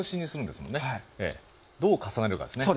どう重ねるかですね。